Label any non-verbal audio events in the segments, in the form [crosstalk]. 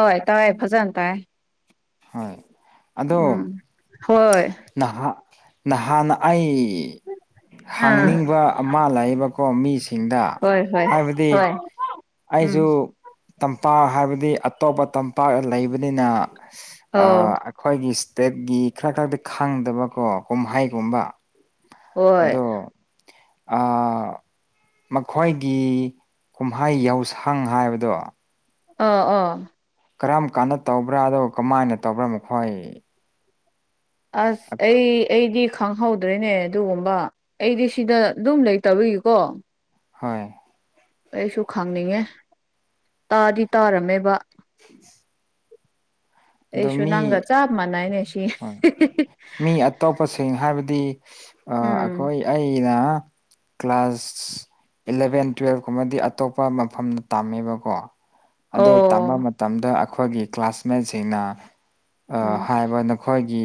ꯍꯣꯏ ꯇꯥꯏ ꯐꯖꯅ ꯇꯥꯏ ꯍꯣꯏ ꯑꯣ ꯎꯝ ꯍꯣꯏ ꯅꯍꯥꯛ ꯅꯍꯥꯟ ꯑꯩ ꯑꯥ ꯍꯥꯡꯅꯤꯡꯕ ꯑꯃ ꯂꯩꯥꯛꯕꯀꯣ ꯃꯤꯁꯦ ꯁꯤꯡꯗ ꯍꯣꯏ ꯍꯣꯏ ꯍꯥꯏꯕꯗꯤ ꯍꯣꯏ ꯎꯝ ꯑꯩꯁꯨ ꯇꯝꯄꯥꯛ ꯍꯥꯏꯕꯗꯤ ꯑꯇꯣꯞꯄ ꯇꯝꯄꯥꯛꯇ ꯂꯩꯕꯅꯤꯅ ꯑꯣ ꯑꯩꯈꯣꯏꯒꯤ ꯏꯁꯇꯦꯠꯒꯤ ꯈꯔ ꯈꯛꯇ ꯈꯪꯗꯕꯀꯣ ꯀꯨꯝꯍꯩꯒꯨꯝꯕ ꯍꯣꯏ ꯑ ꯃꯈꯣꯏꯒꯤ ꯀꯨꯝꯍꯩ ꯌꯥꯎꯁꯪ ꯍꯥꯏꯕꯗꯣ ꯑ ꯑ ꯀꯔꯝ ꯀꯥꯟꯗ ꯇꯧꯕ꯭ꯔꯥ ꯑꯗꯨꯒ ꯀꯃꯥꯏꯅ ꯇꯧꯕ꯭ꯔꯥ ꯃꯈꯣꯏ ꯑꯁ ꯑꯩ ꯑꯩꯗꯤ ꯈꯪꯍꯧꯗ꯭ꯔꯦꯅꯦ ꯑꯗꯨꯒꯨꯝꯕ ꯑꯩꯗꯤ ꯁꯤꯗ ꯑꯗꯨꯝ ꯂꯩꯇꯧꯔꯤꯒꯤꯀꯣ ꯍꯣꯏ ꯑꯩꯁꯨ ꯈꯪꯅꯤꯡꯉꯦ ꯇꯥꯗꯤ ꯇꯥꯔꯝꯃꯦꯕ [inaudible] ꯑꯗꯣ ꯑꯩꯁꯨ ꯃꯤ ꯅꯪꯒ ꯆꯥꯞ ꯃꯥꯟꯅꯏꯅꯦ ꯁꯤ ꯍꯣꯏ ꯃꯤ ꯑꯇꯣꯞꯄꯁꯤꯡ ꯍꯥꯏꯕꯗꯤ ꯑ ꯎꯝ ꯑꯩꯈꯣꯏ ꯑꯩꯅ ꯀ꯭ꯂꯥꯁ ꯏꯂꯚꯦꯟ ꯇꯨꯋꯦꯜꯕ ꯀꯨꯝꯕꯗꯤ ꯑꯇꯣꯞꯄ ꯃꯐꯝꯗ ꯇꯝꯃꯦꯕꯀꯣ ꯑꯗꯨ ꯇꯝꯕ ꯑꯣ ꯃꯇꯝꯗ ꯑꯩꯈꯣꯏꯒꯤ ꯀ꯭ꯂꯥꯁꯃꯦꯠꯁꯤꯡꯅ ꯑ ꯎꯝ ꯍꯥꯏꯕ ꯅ ꯑꯩꯈꯣꯏꯒꯤ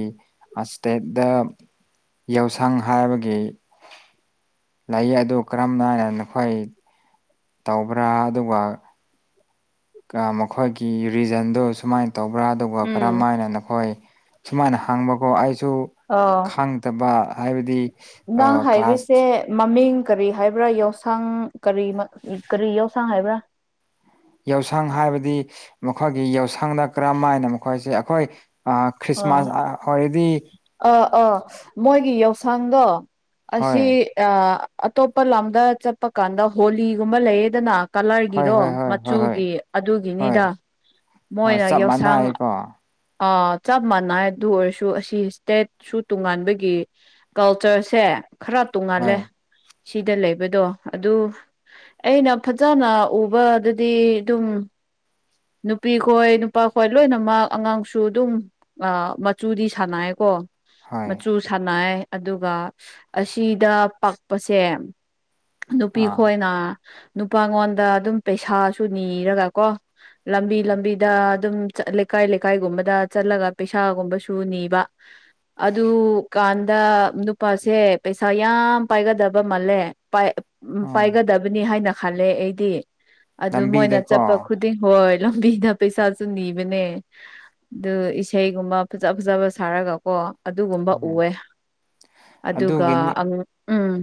ꯏꯁꯇꯦꯠꯇ ꯌꯥꯎꯁꯪ ꯍꯥꯏꯕꯒꯤ ꯂꯩ ꯑꯗꯨ ꯀꯔꯝ ꯅꯥꯏꯅ ꯅꯈꯣꯏ ꯇꯧꯕ꯭ꯔꯥ ꯑꯗꯨꯒ ꯃꯈꯣꯏꯒꯤ ꯔꯤꯖꯟꯗꯨ ꯁꯨꯃꯥꯏꯅ ꯇꯧꯕ꯭ꯔꯥ ꯑꯗꯨꯒ ꯀꯔꯝ ꯎꯝ ꯍꯥꯏꯅ ꯅꯈꯣꯏ ꯁꯨꯃꯥꯏꯅ ꯍꯥꯡꯕꯀꯣ ꯑꯩ ꯁꯨ ꯑꯣ ꯈꯥꯡꯗꯕ ꯍꯥꯏꯕꯗꯤ ꯅꯪ ꯀ꯭ꯂꯥꯁ ꯍꯥꯏꯕꯁꯦ ꯃꯃꯤꯡ ꯀꯔꯤ ꯍꯥꯏꯕ꯭ꯔꯥ ꯌꯥꯎꯁꯥꯡ ꯀꯔꯤ ꯀꯔꯤ ꯌꯥꯎꯁꯥꯡ ꯍꯥꯏꯕ꯭ꯔꯥ ꯌꯥꯎꯁꯪ ꯍꯥꯏꯕꯗꯤ ꯃꯈꯣꯏꯒꯤ ꯌꯥꯎꯁꯪꯗ ꯀꯔꯝꯥꯏꯅ ꯃꯈꯣꯏꯁꯦ ꯑꯩꯈꯣꯏ ꯑ ꯑꯣ ꯈ꯭ꯔꯤꯁꯃꯥꯁꯗꯤ ꯑꯥ ꯑꯥ ꯃꯣꯏꯒꯤ ꯌꯥꯎꯁꯪꯗꯣ ꯍꯣꯏ ꯑꯁꯤ ꯑꯇꯣꯞꯄ ꯂꯝꯗ ꯆꯠꯄ ꯀꯥꯟꯗ ꯍꯣꯂꯤꯒꯨꯝꯕ ꯂꯩꯌꯦꯗꯅ ꯍꯣꯏ ꯀꯂꯔꯒꯤꯗꯣ ꯍꯣꯏ ꯍꯣꯏ ꯍꯣꯏ ꯍꯣꯏ ꯃꯆꯨꯒꯤ ꯍꯣꯏ ꯑꯗꯨꯒꯤꯅꯤꯗ ꯑꯣ ꯃꯣꯏꯅ ꯆꯞ ꯌꯥꯎꯁꯪ ꯃꯥꯟꯅꯩꯀꯣ ꯆꯞ ꯃꯥꯟꯅꯩ ꯑꯗꯨ ꯑꯣꯏꯔꯁꯨ ꯑꯁꯤ ꯏꯁꯇꯦꯠꯁꯨ ꯇꯣꯉꯥꯟꯕꯒꯤ ꯀꯜꯆꯔꯁꯦ ꯈꯔ ꯍꯣꯏ ꯇꯣꯡꯉꯥꯜꯂꯦ ꯁꯤꯗ ꯂꯩꯕꯗꯣ ꯑꯗꯨ ꯑꯩꯅ ꯐꯖꯅ ꯎꯕꯗꯗꯤ ꯑꯗꯨꯝ ꯅꯨꯄꯤ ꯈꯣꯏ ꯅꯨꯄꯥ ꯈꯣꯏ ꯂꯣꯏꯅꯃꯛ ꯑꯉꯥꯡꯁꯨ ꯑꯗꯨꯝ ꯃꯆꯨꯗꯤ ꯁꯥꯟꯅꯩꯀꯣ ꯍꯣꯏ ꯃꯆꯨ ꯁꯥꯟꯅꯩ ꯑꯗꯨꯒ ꯑꯁꯤꯗ ꯄꯥꯛꯄꯁꯦ ꯅꯨꯄꯤ ꯑꯥ ꯈꯣꯏꯅ ꯅꯨꯄꯥꯉꯣꯟꯗ ꯑꯗꯨꯝ ꯄꯩꯁꯥꯁꯨ ꯅꯤꯔꯒ ꯀꯣ ꯂꯝꯕꯤ ꯂꯝꯕꯤꯤꯗ ꯑꯗꯨꯝ ꯂꯩꯀꯥꯏ ꯂꯩꯀꯥꯏꯒꯨꯝꯕꯗ ꯆꯠꯂꯒ ꯄꯩꯁꯥꯒꯨꯝꯕꯁꯨ ꯅꯤꯕ ꯑ ꯑꯗꯨ ꯀ ꯗ ꯅꯨꯄꯥꯁꯦ ꯄꯩꯁꯥ ꯌꯥꯝ ꯄꯥꯏꯒꯗꯕ ꯃꯥꯜꯂꯦ ꯎꯝ ꯑꯣ ꯄꯥꯏꯒꯗꯕꯅꯤ ꯍꯥꯏꯅ ꯈꯂꯦ ꯑꯩꯗꯤ ꯑꯗꯨ ꯃꯣꯏꯅ ꯂꯝꯕꯤꯗꯀꯣ ꯆꯠꯄ ꯍ ꯂꯕꯤꯗ ꯄꯩꯁꯥꯁꯨꯅꯤꯕꯅꯦ ꯑꯗꯨ ꯏꯁꯩꯒꯨꯝꯕ ꯐꯖ ꯐꯖꯕ ꯁꯥꯔꯒ ꯀꯣ ꯑꯗꯨꯒꯨꯝꯕ ꯍꯣꯏ ꯎꯑꯦ ꯑꯗꯨꯒ ꯑꯗꯨꯒꯤꯅꯤ ꯎꯝ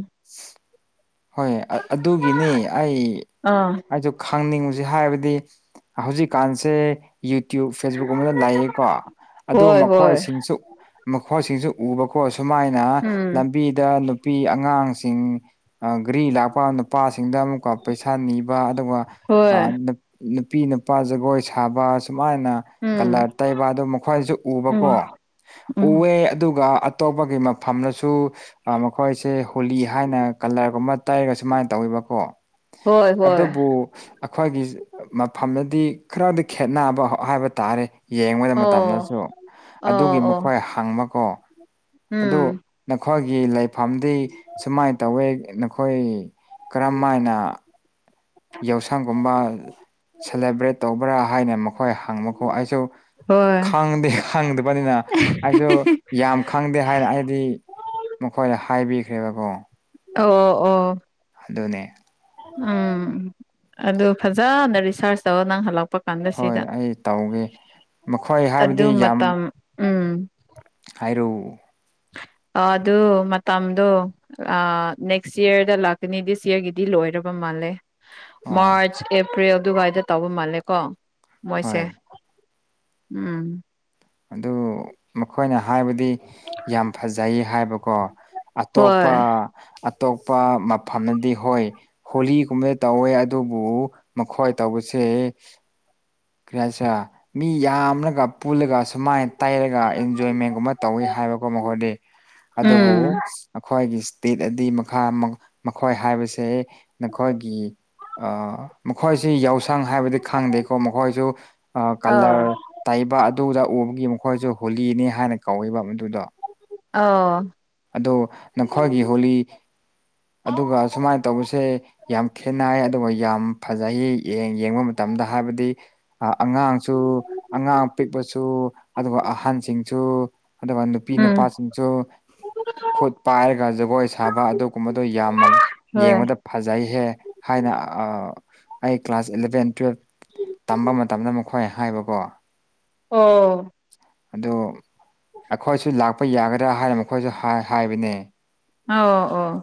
ꯍꯣꯏ ꯑꯗꯨꯒꯤꯅꯤ ꯑꯩ ꯑꯥ ꯑꯩꯁꯨ ꯈꯪꯅꯤꯡꯉꯁꯦ ꯍꯥꯏꯕꯗꯤ ꯍꯥꯏꯗꯤ ꯍꯧꯖꯤꯛꯀꯥꯟꯁꯦ ꯌꯨꯇ꯭ꯌꯨꯕ ꯐꯦꯁꯕꯨꯛ ꯑꯃꯗ ꯂꯥꯛꯌꯦꯀꯣ ꯑꯗꯨ ꯍꯣꯏ ꯍꯣꯏ ꯃꯈꯣꯏꯁꯤꯡꯁꯨ ꯃꯈꯣꯏꯁꯤꯡꯁꯨ ꯎꯕꯀꯣ ꯁꯨꯃꯥꯏꯅ ꯎꯝ ꯂꯝꯕꯤꯗ ꯅꯨꯄꯤ ꯑꯉꯥꯡꯁꯤꯡ ꯘꯔꯤ ꯂꯥꯛꯄ ꯅꯨꯄꯥꯁꯤꯡꯗ ꯑꯃꯨꯛꯀ ꯄꯩꯁꯥ ꯅꯤꯕ ꯑꯗꯨꯒ ꯍꯣꯏ ꯅꯨꯄꯤ ꯅꯨꯄꯥ ꯖꯒꯣꯏ ꯁꯥꯕ ꯁꯨꯃꯥꯏꯅ ꯎꯝ ꯀꯂꯔ ꯇꯩꯕ ꯑꯗꯨ ꯃꯈꯣꯏꯁꯨ ꯎꯕꯀꯣ ꯎꯝ ꯎꯝ ꯎꯑꯦ ꯑꯗꯨꯒ ꯇꯧꯕꯒꯤ ꯃꯐꯝꯗꯁꯨ ꯃꯈꯣꯏꯁꯦ ꯍꯣꯂꯤ ꯍꯥꯏꯅ ꯀꯂꯔꯒꯨꯝꯕ ꯇꯩꯔꯒ ꯁꯨꯃꯥꯏꯅ ꯇꯧꯋꯕꯀꯣ ꯍꯣꯏ ꯍꯣꯏ ꯑꯗꯨꯕꯨ ꯑꯩꯈꯣꯏꯒꯤ ꯃꯐꯝꯗꯗꯤ ꯈꯔꯗ ꯈꯦꯠꯅꯕ ꯍꯥꯏꯕ ꯇꯥꯔꯦ ꯌꯦꯡꯕꯗ ꯑꯣ ꯃꯇꯝꯗꯁꯨ ꯑꯣ ꯑꯗꯨꯒꯤ ꯑꯣ ꯃꯈꯣꯏ ꯍꯪꯕꯀꯣ ꯑꯗꯨ ꯎꯝ ꯅꯈꯣꯏꯒꯤ ꯂꯩꯐꯝꯗꯤ ꯁꯨꯃꯥꯏ ꯇꯧꯋꯦ ꯅꯈꯣꯏ ꯀꯔꯝ ꯍꯥꯏꯅ ꯌꯥꯎꯁꯪꯒꯨꯝꯕ ꯁꯦꯂꯦꯕ꯭ꯔꯦꯠ ꯇꯧꯕ꯭ꯔꯥ ꯍꯥꯏꯅ ꯍꯈꯣꯏ ꯍꯪꯃꯨꯀꯣ ꯑꯩꯁꯨ ꯍꯣꯏ ꯈꯪꯗꯦ ꯈꯪꯗꯕꯅꯤꯅ ꯑꯩꯁꯨ ꯌꯥꯝ ꯈꯪꯗꯦ ꯍꯥꯏꯅ ꯑꯩꯗꯤ ꯃꯈꯣꯏꯗ ꯍꯥꯏꯕꯤꯈ꯭ꯔꯦꯕꯀꯣ ꯑꯣ ꯑꯣ ꯑꯗꯨꯅꯦ ꯎꯝ ꯑꯗꯨ ꯐꯖꯅ ꯔꯤꯁꯥꯔꯁ ꯇꯧꯔ ꯅꯪ ꯍꯜꯂꯛꯄ ꯂꯄ ꯀꯥꯟꯗ ꯍꯣꯏ ꯁꯤꯗ ꯑꯩ ꯇꯧꯒꯦ ꯃꯈꯣꯏ ꯑꯗꯨ ꯍꯥꯏꯕꯗꯤ ꯌꯥꯝ ꯃꯇꯝ ꯎꯝ ꯍꯥꯏꯔꯨ ꯑꯗꯨ ꯃꯇꯝꯗꯣ ꯅꯦꯛꯁ ꯏꯌꯔꯗ ꯂꯥꯛꯀꯅꯤ ꯗꯤꯛꯁ ꯌꯔꯒꯤꯗꯤ ꯂꯣꯏꯔꯕ ꯃꯥꯜꯂꯦ ꯑꯣ ꯃꯥꯔꯆ ꯑꯦꯄ꯭ꯔꯤꯜ ꯑꯗꯨꯋꯥꯏꯗ ꯇꯧꯕ ꯃꯥꯜꯂꯦꯀꯣ ꯃꯣꯏꯁꯦ ꯍꯣꯏ ꯎꯝ ꯑꯗꯨ ꯃꯈꯣꯏꯅ ꯍꯥꯏꯕꯗꯤ ꯌꯥꯝ ꯐꯖꯩ ꯍꯥꯏꯕꯀꯣ ꯍꯣꯏ ꯑꯇꯣꯞꯄ ꯑꯇꯣꯞꯄ ꯃꯐꯝꯅꯗꯤ ꯍꯣꯏ ꯍꯣꯂꯤꯒꯨꯝꯕꯗ ꯇꯧꯋꯦ ꯑꯗꯨꯕꯨ ꯃꯈꯣꯏ ꯇꯧꯕꯁꯦ ꯑꯦ ꯀꯔꯤ ꯍꯥꯏꯁꯤꯔꯥ ꯃꯤ ꯌꯥꯝꯔꯒ ꯄꯨꯜꯂꯒ ꯁꯨꯃꯥꯏꯅ ꯇꯩꯔꯒ ꯏꯟꯖꯣꯏꯃꯦꯟꯒꯨꯝꯕ ꯇꯧꯋꯤ ꯍꯥꯏꯕꯀꯣ ꯃꯈꯣꯏꯗꯤ ꯑꯗꯨꯕꯨ ꯎꯝ ꯑꯩꯈꯣꯏꯒꯤ ꯏꯁꯇꯦꯠ ꯑꯗꯤ ꯃꯈꯥ ꯃꯈꯣꯏ ꯍꯥꯏꯕꯁꯦ ꯅꯈꯣꯏꯒꯤ ꯑꯥ ꯃꯈꯣꯏꯁꯤ ꯌꯥꯎꯁꯪ ꯍꯥꯏꯕꯗꯤ ꯈꯪꯗꯦꯀꯣ ꯃꯈꯣꯏꯁꯨ ꯑꯥ ꯀꯂꯔ ꯇꯩꯕ ꯑꯗꯨꯗ ꯎꯕꯒꯤ ꯃꯈꯣꯏꯁꯨ ꯍꯨꯂꯤꯅꯤ ꯍꯥꯏꯅ ꯀꯧꯋꯦꯕ ꯃꯗꯨꯗꯣ ꯑꯣ ꯑꯗꯣ ꯅꯈꯣꯏꯒꯤ ꯍꯣꯂꯤ ꯑꯗꯨꯒ ꯁꯨꯃꯥꯏꯅ ꯇꯧꯕꯁꯦ ꯌꯥꯝ ꯈꯦꯠꯅꯥꯏ ꯑꯗꯨꯒ ꯌꯥꯝ ꯐꯖꯩ ꯌꯦꯡꯕ ꯃꯇꯝꯗ ꯍꯥꯏꯕꯗꯤ ꯑꯉꯥꯡꯁꯨ ꯑꯉꯥꯡ ꯄꯤꯛꯄꯁꯨ ꯑꯗꯨꯒ ꯑꯍꯟꯁꯤꯡꯁꯨ ꯑꯗꯨꯒ ꯅꯨꯄꯤ ꯎꯝ ꯅꯨꯄꯥꯁꯤꯡꯁꯨ ꯈꯨꯠ ꯄꯥꯏꯔꯒ ꯖꯒꯣꯏ ꯁꯥꯕ ꯑꯗꯨꯒꯨꯝꯕꯗꫭ ꯌꯥꯝꯅ ꯍꯣꯏ ꯌꯦꯡꯕꯗ ꯐꯖꯩꯍꯦ ꯍꯥꯏꯅ ꯅ ꯑꯥ ꯑꯩ ꯀ꯭ꯂꯥꯁ ꯏꯂꯚꯦꯟ ꯇꯨꯋꯦꯜꯞ ꯇꯝꯕ ꯃꯇꯝꯗ ꯃꯈꯣꯏ ꯍꯥꯏꯕꯀꯣ ꯑꯣ ꯑꯗꯨ ꯑꯩꯈꯣꯏꯁꯨ ꯂꯥꯛꯄ ꯌꯥꯒꯗ꯭ꯔꯥ ꯍꯥꯏꯅ ꯃꯈꯣꯏꯁꯨ ꯍꯥꯏ ꯍꯥꯏꯕꯅꯦ ꯑꯧ ꯑꯧ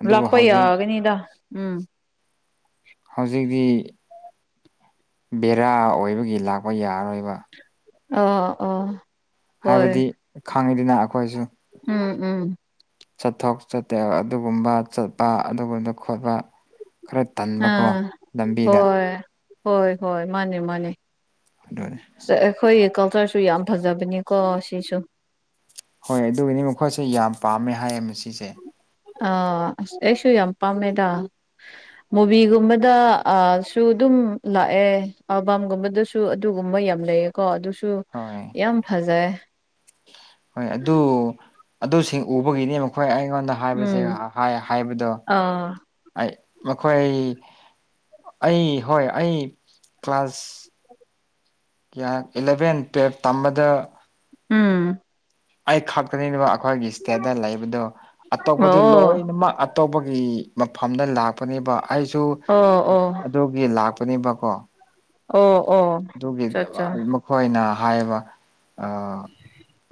ꯑꯗꯨꯕꯨ ꯂꯥꯛꯄꯩ ꯍꯧꯖꯤꯛ ꯌꯥꯒꯅꯤꯗ ꯎꯝ ꯍꯧꯖꯤꯛꯇꯤ ꯕꯦꯔꯥ ꯑꯣꯏꯕꯒꯤ ꯂꯥꯛꯄ ꯌꯥꯔꯔꯣꯏꯕ ꯑꯣ ꯑꯣ ꯍꯥꯏꯕꯗꯤ ꯍꯣꯏ ꯈꯪꯉꯤꯗꯅ ꯑꯩꯈꯣꯏꯁꯨ ꯎꯝ ꯎꯝ ꯆꯠꯊꯣꯛ ꯆꯠꯇꯦ ꯑꯗꯨꯒꯨꯝꯕ ꯆꯠꯄ ꯑꯗꯨꯒꯨꯝꯕꯗꯨ ꯈꯣꯠꯄ ꯈꯔ ꯇꯟꯕꯀꯣ ꯑꯥ ꯂꯝꯕꯤꯗ ꯍꯣꯏ ꯍꯣꯏ ꯍꯣꯏ ꯃꯥꯅꯦ ꯃꯥꯅꯦ ꯑꯗꯨꯅꯤ ꯁꯦ ꯑꯩꯈꯣꯏ ꯀꯜꯆꯔꯁꯨ ꯌꯥꯝ ꯐꯖꯕꯅꯤꯀꯣ ꯁꯤꯁꯨ ꯍꯣꯏ ꯑꯗꯨꯒꯤꯅꯤ ꯃꯈꯣꯏꯁꯦ ꯌꯥꯝ ꯄꯥꯝꯃꯦ ꯍꯥꯏꯌꯦ ꯃꯁꯤꯁꯦ ꯑ ꯑꯁ ꯑꯩꯁꯨ ꯌꯥꯝ ꯄꯥꯝꯃꯦꯗ ꯃꯨꯚꯤꯒꯨꯝꯕꯗ ꯑ ꯁꯨ ꯗꯨꯝ ꯂꯥꯑꯦ ꯑꯦꯜꯕꯝꯒꯨꯝꯕꯗꯁꯨ ꯑꯗꯨꯒꯨꯝꯕ ꯌꯥꯝ ꯂꯩꯌꯦ ꯀꫭ ꯑꯗꯨꯁꯨ ꯁꯨꯨ ꯍꯣꯏ ꯌꯥꯝ ꯐꯖꯩ ꯍꯣꯏ ꯑꯗꯨ ꯑꯗꯨꯁꯤꯡ ꯎꯕꯒꯤꯅꯦ ꯃꯈꯣꯏ ꯑꯩꯉꯣꯟꯗ ꯍꯥꯏꯕꯁꯦ ꯎꯝ ꯍꯥꯏ ꯍꯥꯏꯕꯗꯣ ꯑꯥ ꯑꯩ ꯃꯈꯣꯏ ꯑꯩ ꯍꯣꯏ ꯑꯩ ꯀ꯭ꯂꯥꯁ ꯀꯌꯥ ꯏꯂꯚꯦꯟ ꯇꯨꯌꯦꯜꯄ ꯇꯝꯕꯗ ꯎꯝ ꯑꯩ ꯈꯛꯇꯅꯤꯕ ꯑꯩꯈꯣꯏꯒꯤ ꯏꯁꯇꯦꯠꯇ ꯂꯩꯕꯗꯨ ꯑꯇꯣꯞꯄꯗꯤ ꯑꯣ ꯂꯣꯏꯅꯃꯛ ꯑꯇꯣꯞꯄ ꯃꯐꯝꯗ ꯂꯥꯛꯄꯅꯦꯕ ꯑꯩꯁꯨ ꯑꯣ ꯑꯣ ꯑꯗꯨꯒꯤ ꯂꯥꯛꯄꯅꯦꯕꯀꯣ ꯑꯣ ꯑꯣ ꯑꯗꯨꯒꯤ ꯑꯆꯥ ꯑꯠꯆꯥ ꯃꯈꯣꯏꯅ ꯍꯥꯏꯕ ꯑ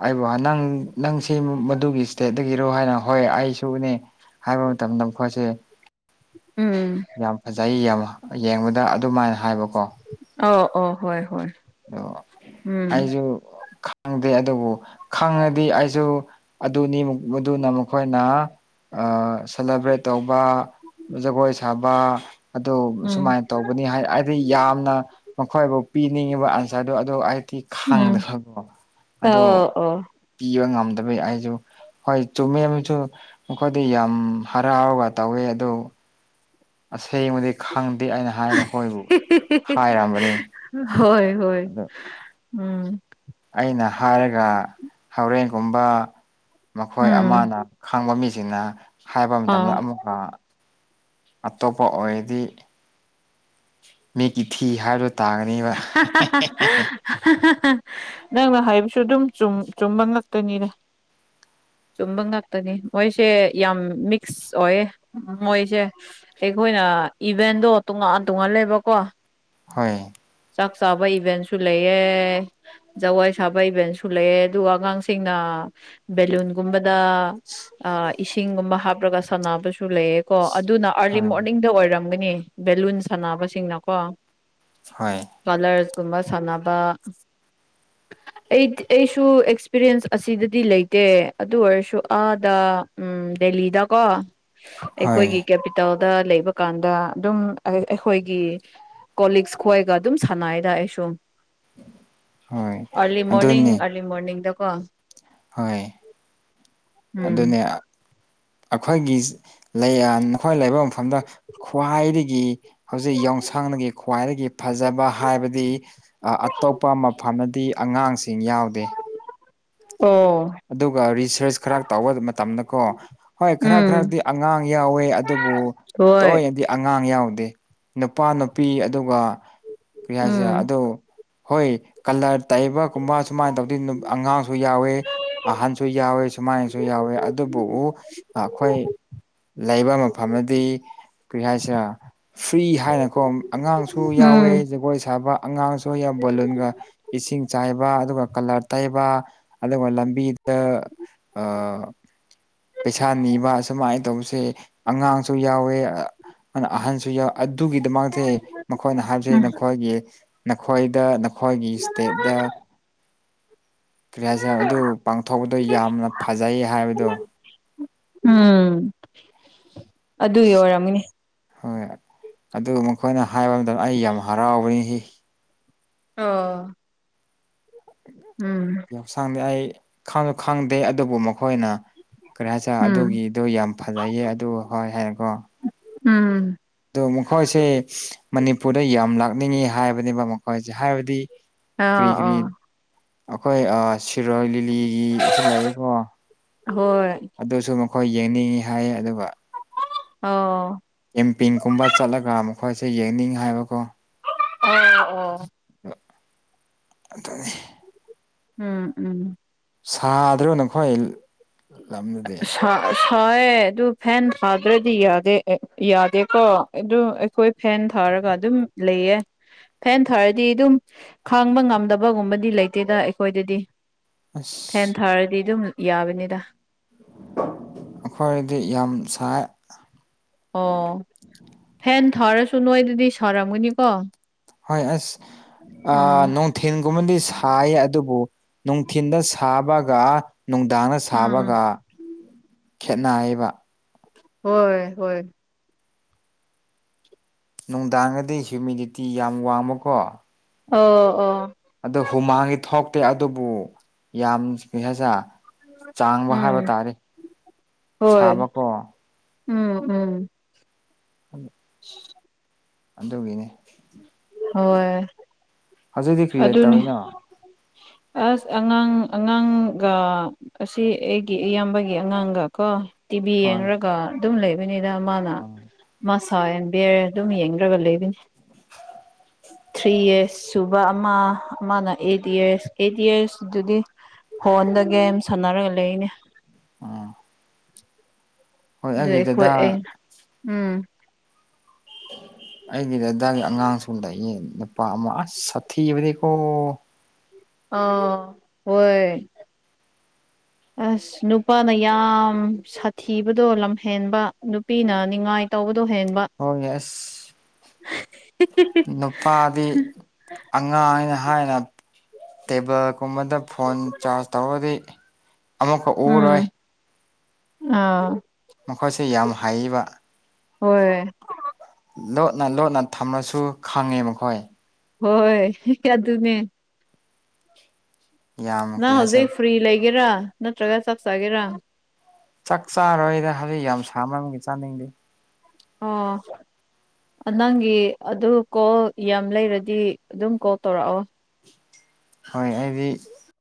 ꯑꯩꯕꯨ ꯅꯪ ꯅꯪꯁꯤ ꯃꯗꯨꯒꯤ ꯏꯁꯇꯦꯠꯇꯒꯤꯔꯣ ꯍꯥꯏꯅ ꯍꯣꯏ ꯑꯩꯁꯨꯅꯦ ꯍꯥꯏꯕ ꯃꯇꯝꯗ ꯃꯈꫭꯏꯁꯦ ꯎꯝ ꯌꯥꯝ ꯐꯖꯩ ꯌꯥꯝ ꯌꯦꯡꯕꯗ ꯑꯗꯨꯃꯥꯏꯅ ꯍꯥꯏꯕ ꯑꯧ ꯑꯣ ꯍꯣꯏ ꯍꯣꯏ ꯑꯗꯣ ꯎꯝ ꯑꯩꯁꯨ ꯈꯪꯗꯦ ꯑꯗꯨꯕꯨ ꯈꯪꯉꯗꯤ ꯑꯩꯁꯨ ꯑꯗꯨꯅꯤ ꯃꯗꯨꯅ ꯃꯈꯣꯏꯅ ꯑꯥ ꯁꯦꯂꯦꯕ꯭ꯔꯦꯠ ꯇꯧꯕ ꯖꯒꯣꯏ ꯁꯥꯕ ꯑꯗꯨ ꯎꯝ ꯁꯨꯃꯥꯏꯅ ꯇꯧꯕꯅꯤ ꯍꯥꯏꯗꯤ ꯌꯥꯝꯅ ꯑꯣ ꯄꯤꯅꯤꯡꯉꯦꯕ ꯑꯁ ꯑꯗꯣ ꯑꯗꯣ ꯑꯩ ꯗꯤ ꯎꯝ ꯈꯥꯡꯗꯕꯀꯣ ꯑꯗꯣ ꯑꯣ ꯑꯣ ꯄꯤꯕ ꯉꯝ ꯩ ꯑꯩꯁꯨ ꯍꯣꯏ ꯆꯨꯝꯃꯦꯁꯨ ꯑꯩꯣꯏꯗꯤ ꯌꯥꯝ ꯍꯔꯥꯎꯔꯒ ꯇꯧꯋꯦ ꯑꯗꯨ ꯁꯦꯡꯕꯗꯤ ꯈꯪꯗꯦ ꯑꯩꯅ ꯍꯥꯏ ꯃꯈꯣꯏꯕꯨ ꯍꯥꯏꯔꯝꯕꯅꯤ ꯍꯣꯏ ꯍꯣꯏ ꯑꯗꯣ ꯎꯝ ꯑꯩꯅ ꯍꯥꯏꯔꯒ ꯍꯣꯔꯦꯟꯒꯨꯝꯕ ꯃꯈꯣꯏ ꯎꯝ ꯑꯃꯅ ꯈꯪꯕ ꯃꯤꯁꯤꯅ ꯍꯥꯏꯕ ꯃꯇꯝꯗ ꯑꯥ ꯑꯃꯨꯛꯀ ꯑꯇꯣꯞꯄ ꯑꯣꯏꯔꯗꯤ ꯃꯤꯒꯤꯤꯊꯤ ꯍꯥꯏꯔꯨ m ꯅꯪꯅ ꯍꯥꯏꯕꯁꯨ ꯑꯗꯨꯝ ꯆꯨꯝꯕ ꯉꯥꯛꯇꯅꯤꯗ [unintelligible] ꯆꯨꯝꯕ ꯉꯥꯛꯇꯅꯤ ꯃꯣꯏꯁꯦ ꯌꯥꯝ ꯃꯤꯛꯁ ꯑꯣꯏꯌꯦ ꯃꯣꯏꯁꯦ ꯑꯩꯈꯣꯏꯅ ꯏꯚꯦꯟꯗꯣ ꯇꯣꯉꯥꯟ ꯇꯣꯉꯥꯟꯂꯦꯕꯀꯣ ꯍꯣꯏ ꯆꯥꯛ ꯆꯥꯕ ꯏꯚꯦꯟꯁꯨ ꯂꯩꯑꯦ ꯖꯋꯥꯣꯏ ꯁꯥꯕ ꯏꯚꯦꯟꯁꯨ ꯂꯩꯑꯦ ꯑꯗꯨꯒ ꯑꯉꯥꯡꯁꯤꯡꯅ ꯕꯦꯂꯨꯟꯒꯨꯝꯕꯗ ꯑ ꯏꯁꯤꯡꯒꯨꯝꯕ ꯍꯥꯞꯂꯒ ꯁꯥꯟꯅꯕꯁꯨ ꯂꯩꯌꯦꯀꯣ ꯑꯗꯨꯅ ꯑꯥꯔꯂꯤ ꯍꯣꯏ ꯃꯣꯔꯅꯤꯡꯗ ꯑꯣꯏꯔꯝꯒꯅꯤ ꯕꯦꯂꯨꯟ ꯁꯥꯟꯅꯕꯁꯤꯡꯅꯀꯣ ꯍꯣꯏ ꯀꯂꯔꯁꯀꯨꯝꯕ ꯁꯥꯟꯅꯕ [unintelligible] ꯑꯩ ꯑꯩꯁꯨ ꯑꯦꯛꯁꯄꯤꯔꯤꯟꯁ ꯑꯁꯤꯗꯗꯤ ꯂꯩꯇꯦ ꯑꯗꯨ ꯑꯣꯏꯔꯁꯨ ꯑꯥꯗ ꯎꯝ ꯗꯦꯜꯂꯤꯗꯀꯣ ꯍꯣꯏ ꯑꯩꯈꯣꯏꯒꯤ ꯀꯦꯄꯤꯇꯦꯜ ꯗ ꯂꯩꯕ ꯀꯥꯟꯗ ꯑꯗꯨꯝ ꯑꯩꯈꯣꯏꯒꯤ ꯀꯣꯛꯁ ꯈꯣꯏꯒ ꯑꯗꯨꯝ ꯁꯥꯟꯅꯩꯗ ꯑꯩ ꯁꯨꯝ ꯍꯣꯏ ꯑꯥꯔꯂꯤ ꯃꯣꯔꯅꯤꯡ ꯑꯗꯨꯅꯤ ꯑꯥꯔꯂꯤ ꯃꯣꯔꯅꯤꯡꯗ ꯋꯥ ꯍꯣꯏ ꯎꯝ ꯑꯗꯨꯅꯦ ꯑꯩꯈꯣꯏꯒꯤ ꯅꯈꯣꯏ ꯂꯩꯐꯝ ꯁꯝꯗ ꯈ꯭ꯋꯥꯏꯗꯒꯤ ꯍꯧꯖꯤꯛ ꯌꯎꯁꯪꯅꯒꯤ ꯈ꯭ꯋꯥꯏꯗꯒꯤ ꯐꯖꯕ ꯍꯥꯏꯕꯗꯤ ꯑꯇꯣꯞꯄ ꯃꯐꯝꯗꯤ ꯑꯉꯥꯡꯁꯤꯡ ꯌꯥꯎꯗꯦ ꯑꯣ ꯑꯗꯨꯒ ꯔꯤꯁꯔꯁ ꯈꯔ ꯇꯧꯕ ꯃꯇꯝꯗꯀꯣ ꯍꯣꯏ ꯈꯔ ꯎꯝ ꯈꯔꯗꯤ ꯑꯉꯥꯡ ꯌꯥꯎꯋꯦ ꯑꯗꯨ ꯕꯨ ꯍꯣꯏ ꯇꯧꯔꯗꯤ ꯑꯉꯥꯡ ꯌꯥꯎꯋꯦ ꯅꯨꯄꯥ ꯅꯨꯄꯤ ꯑꯗꯨꯒ ꯀꯩ ꯍꯥꯏꯁꯦ ꯎꯝ ꯑꯗꯨ ꯍꯣꯏ ꯀꯂꯔ ꯇꯩꯕꯒꯨꯝꯕ ꯁꯨꯃꯥꯏꯅ ꯇꯧꯗꯤ ꯑꯉꯥꯡꯁꯨ ꯌꯥꯎꯋꯦ ꯑꯍꯟꯁꯨ ꯌꯥꯎꯋꯤ ꯁꯨꯃꯥꯏꯅꯁꯨ ꯌꯥꯎꯋꯤ ꯑꯗꯨꯕꯨ ꯑꯩꯈꯣꯏ ꯂꯩꯕ ꯃꯐꯝ ꯑꯗꯨꯗꯤ ꯀꯔꯤ ꯍꯥꯏꯁꯤꯔꯥ ꯐ꯭ꯔꯤ ꯍꯥꯏꯅꯀꯣ ꯑꯉꯥꯡꯁꯨ ꯌꯥꯎꯋꯦ ꯎꯝ ꯖꯒꯣꯏ ꯁꯥꯕ ꯑꯉꯥꯡꯁꯨ ꯕꯣꯂꯨꯟꯒ ꯏꯁꯤꯡ ꯆꯥꯏꯕ ꯑꯗꯨꯒ ꯀꯂꯔ ꯇꯩꯕ ꯑꯗꯨꯒ ꯂꯝꯕꯤ ꯑ ꯑ ꯄꯩꯁꯥ ꯅꯤꯕ ꯑꯨꯃꯥꯏꯅ ꯇꯧꯕꯁꯦ ꯑꯉꯥꯡꯁꯨ ꯌꯥꯎꯋꯦ ꯑꯍꯟꯁꯨ ꯑꯗꯨꯒꯤꯗꯃꯛꯇ ꯃꯈꯣꯏꯅ ꯍꯥꯏꯕꯕꯁꯤꯦ ꯎꯝ ꯅꯈꯣꯏꯒꯤ ꯅꯈꯣꯏꯗ ꯑꯩꯈꯣꯏꯒꯤ ꯏꯁꯇꯦꯠꯇ ꯀꯔꯤ ꯍꯥꯏꯁꯔꯦ ꯑꯗꯨ ꯄꯥꯡꯊꯣꯛꯄꯗꯣ ꯌꯥꯝꯅ ꯐꯖꯩꯌꯦ ꯍꯥꯏꯕꯗꯣ ꯎꯝ ꯑꯗꯨꯒꯤ ꯑꯣꯏꯔꯝꯃꯤꯅꯤ ꯍꯣꯏ ꯑꯗꯨ ꯃꯈꯣꯏꯅ ꯍꯥꯏꯕ ꯃꯇꯝꯗ ꯑꯩ ꯌꯥꯝ ꯍꯔꯥꯎꯕꯅꯤ ꯁꯤ ꯑ ꯌꯥꯎꯁꯥꯡꯗꯤ ꯑꯩ ꯈꯥꯡꯁꯨ ꯈꯪꯗꯦ ꯑꯗꯨꯕꯨ ꯃꯈꯣꯏꯅ ꯀꯔꯤ ꯍꯥꯏ ꯆ ꯎꯝ ꯑꯗꯨꯒꯤꯗꯣ ꯌꯥꯝ ꯐꯖꯩꯌꯦ ꯑꯗꯨ ꯍꯣꯏ ꯍꯥꯏꯀꯣ ꯎꯝ ꯑꯗꯣ ꯃꯈꯣꯏꯁꯦ ꯃꯅꯤꯄꯨꯔꯗ ꯌꯥꯝ ꯂꯥꯛꯅꯤꯡꯉꯤ ꯍꯥꯏꯕꯅꯦꯕ ꯃꯈꯣꯏꯁꯦ ꯍꯥꯏꯕꯗꯤ ꯑꯥ ꯀꯔꯤ ꯑ ꯀꯔꯤ ꯑꯩꯈꯣꯏ ꯁꯤꯔꯣꯏ ꯂꯤꯂꯤꯒꯤꯁꯨ ꯂꯥꯛꯑꯀꯣ ꯍꯣꯏ ꯑꯗꯨꯁꯨ ꯑꯩꯈꯣꯏ ꯌꯦꯡꯅꯤꯡꯏꯤ ꯍꯥꯏꯌꯦ ꯑꯗꯨꯒ ꯑꯣ ꯑꯦꯝꯄꯤꯤꯡꯒꯨꯝꯕ ꯆꯠꯂꯒ ꯃꯈꯣꯏꯁꯦ ꯌꯦꯡꯅꯤꯡ ꯍꯥꯏꯕꯀꯣ ꯑꯣ ꯑꯣ ꯑꯗꯨꯅꯤ ꯎꯝ ꯎꯝ ꯁꯥꯗ꯭ꯔꯣ ꯅꯈꯣꯏ ꯂꯝꯅꯗꯦ ꯊꯥꯏ ꯑꯗꯨ ꯐꯦꯟ ꯊꯥꯗ꯭ꯔꯗꯤ ꯌꯥꯗ ꯌꯥꯗꯦꯀꯣ ꯑꯗꯨ ꯑꯩꯈꯣꯏ ꯐꯦꯟ ꯊꯥꯔ ꯍꯥꯏꯔꯒ ꯑꯗꯨꯝ ꯂꯩꯌꯦ ꯐꯦꯟ ꯊꯥꯔꯗꯤ ꯑꯗꯨꯝ ꯈꯪꯕ ꯉꯝꯗꯕꯒꯨꯝꯕꯗꯤ ꯂꯩꯇꯦꯗ ꯑꯩꯈꯣꯏꯗꯗꯤ ꯐꯦꯟ ꯑꯁ ꯊꯥꯔꯗꯤ ꯑꯗꯨꯝ ꯌꯥꯕꯅꯤꯗ ꯑꯩꯈꯣꯏꯗꯤ ꯌꯥꯝ ꯁꯥꯏ ꯑꯣ ꯐꯦꯟ ꯊꯥꯔꯁꯨ ꯅꯣꯏꯗꯗꯤ ꯁꯥꯔꯝꯒꯅꯤꯀꯣ ꯍꯣꯏ ꯑꯁ ꯎꯝ ꯅꯣꯡ ꯊꯦꯟꯒꯨꯝꯕꯗꯤ ꯊꯥꯏ ꯑꯗꯨꯕꯨ ꯅꯨꯡꯊꯤꯤꯟꯗ ꯁꯥꯕꯒ ꯅꯨꯡꯗꯥꯡꯅ ꯎꯝ ꯁꯥꯕꯒ ꯈꯦꯠꯅꯩꯕ ꯍꯣꯏꯣꯏ ꯍꯣꯏ ꯅꯨꯡꯗꯥꯡꯒꯗꯤ ꯍꯤꯌꯨꯃꯤꯗꯤꯇꯤ ꯌꯥꯝ ꯋꯥꯡꯕꯀꯣ ꯑꯣ ꯑꯣ ꯑꯗꯨ ꯍꯨꯃꯥꯡꯒꯤ ꯊꯣꯛꯇꯦ ꯑꯗꯨꯕꯨ ꯌꯥꯝ ꯍꯥꯏꯁ ꯆꯥꯡꯕ ꯍꯥꯏꯕ ꯎꯝ ꯇꯥꯔꯦ ꯍꯣꯏ ꯁꯥꯕꯀꯣ ꯎꯝ ꯎꯝ ꯎ [inaudible] ꯑꯗꯨꯒꯤꯅꯦ ꯍꯣꯏ ꯑꯗꯨꯗꯤ ꯀ꯭ꯔꯤꯌꯥ ꯑꯗꯨꯅꯤ ꯇꯧꯔꯤꯅꯣ ꯑꯁ ꯑꯉꯥꯡ ꯑꯉꯥꯡꯒ ꯑꯁꯤ ꯑꯩꯒꯤ ꯏꯌꯥꯝꯕꯒꯤ ꯑꯉꯥꯡꯒ ꯀꯣ ꯇꯤꯚꯤ ꯍꯣꯏ ꯌꯦꯡꯔꯒ ꯑꯗꯨꯝ ꯂꯩꯕꯅꯤꯅ ꯃꯥꯅ ꯎꯝ ꯃꯥ ꯁ ꯑꯟ ꯕꯤ ꯑꯦꯔ ꯑꯗꯨꯝ ꯌꯦꯡꯈ꯭ꯔꯒ ꯂꯩꯕꯅꯤ ꯊ꯭ꯔꯤ ꯌꯁꯁꯨꯨ ꯑꯃ ꯑꯃꯅ ꯑꯩꯠ ꯏꯌꯥꯔꯁ ꯑꯦꯠ ꯏꯌꯥꯔꯁ ꯑꯗꯨꯗꯤ ꯐꯣꯟꯗ ꯒꯦꯝ ꯁꯥꯟꯅꯔꯒ ꯂꯩꯅꯦ ꯑꯥ ꯑꯗꯨ ꯑꯩꯈꯣꯏ ꯑ ꯎꯝ ꯎꯝ ꯑꯩꯒꯤ ꯗꯗꯥꯒꯤ ꯑꯉꯥꯡ ꯁꯣꯗ ꯑꯩ ꯅꯨꯄꯥ ꯑꯃ ꯑꯁ ꯁꯥꯊꯤꯕꯅꯤꯀꯣ ꯑꯥ ꯍꯣꯏ [inaudible] ꯑꯁ ꯅꯨꯄꯥꯅ ꯌꯥꯝ ꯁꯥꯊꯤꯕꯗꯣ ꯂꯝꯍꯦꯟꯕ ꯅꯨꯄꯤꯅ ꯅꯤꯡꯉꯥꯏ ꯇꯧꯕꯗ ꯑꯣ ꯌꯦꯁ ꯅꯨꯄꯥꯗꯤ ꯑꯉꯥꯡꯅ ꯍꯥꯏꯅ ꯇꯦꯕꯜꯒꯨꯝꯕꯗ ꯐꯣꯟ ꯆꯥꯔꯖ ꯇꯧꯔꯗꯤ ꯑꯃꯛꯈꯛ ꯎꯝ ꯎꯔꯣꯏ ꯑꯥ ꯃꯈꯣꯏꯁꯤ ꯌꯥꯝ ꯍꯕ ꯍꯣꯏ ꯂꯣꯠꯅ ꯂꯣꯠꯅ ꯊꯝꯂꯁꯨ ꯈꯪꯉꯦ ꯃꯈꯣꯏ ꯍꯣꯏ ꯀꯌꯥ ꯑꯗꯨꯃꯦ ꯌꯥꯝ ꯀ꯭ꯔꯤ ꯅꯪ ꯍꯥꯏꯁꯦ ꯍꯧꯖꯤꯛ ꯐ꯭ꯔꯤ ꯂꯩꯒꯦꯔꯥ ꯅꯠꯇ꯭ꯔꯒ ꯆꯞ ꯆꯥꯒꯦꯔꯥ ꯆꯥꯛ ꯆꯥꯔꯣꯏꯗ ꯍꯧꯖꯤꯛ ꯌꯥꯝ ꯁꯥ ꯃꯔꯝꯒꯤ ꯆꯥꯅꯤꯡꯗꯦ ꯑꯥ ꯅ ꯅꯪꯒꯤ ꯑꯗꯨ ꯀꯣꯜ ꯌꯥꯝ ꯂꯩꯔꯗꯤ ꯑꯗꯨꯝ ꯀꯣꯜ ꯇꯧꯔꯛꯑꯣ ꯍꯣꯏ ꯑꯩꯗꯤ